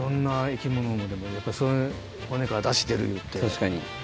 確かに。